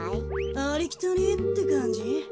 ありきたりってかんじ？